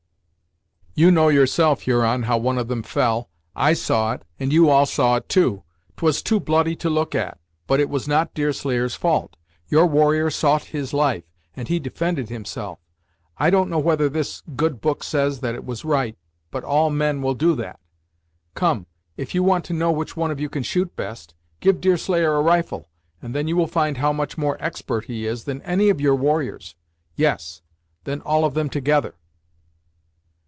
"You know yourself, Huron, how one of them fell. I saw it, and you all saw it, too. 'Twas too bloody to look at; but it was not Deerslayer's fault. Your warrior sought his life, and he defended himself. I don't know whether this good book says that it was right, but all men will do that. Come, if you want to know which of you can shoot best, give Deerslayer a rifle, and then you will find how much more expert he is than any of your warriors; yes, than all of them together!"